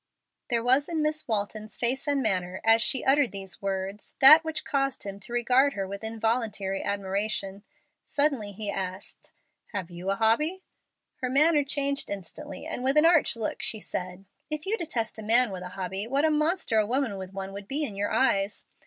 There was in Miss Walton's face and manner, as she uttered these words, that which caused him to regard her with involuntary admiration. Suddenly he asked, "Have you a hobby?" Her manner changed instantly, and with an arch look she said, "If you detest a man with a hobby, what a monster a woman with one would be in your eyes!"